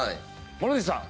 森口さん。